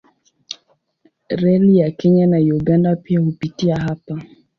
Reli ya Kenya na Uganda pia hupitia hapa.